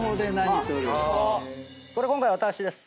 これ今回私です。